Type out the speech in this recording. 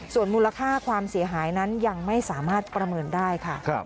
ส่วนมูลค่าความเสียหายนั้นยังไม่สามารถประเมินได้ค่ะ